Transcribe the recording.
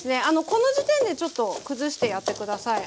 この時点でちょっと崩してやって下さい。